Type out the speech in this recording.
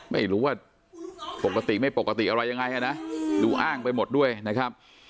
ไม่รู้ว่าปกติไม่ปกติอะไรยังไงนะดูอ้างไปหมดด้วยนะครับ